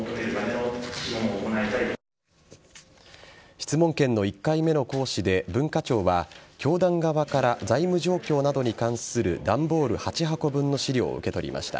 質問権の１回目の行使で文化庁は教団側から財務状況などに関する段ボール８箱分の資料を受け取りました。